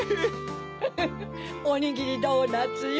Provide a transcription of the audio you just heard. フフフおにぎりドーナツよ。